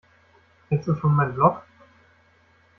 Kennst du schon mein Blog?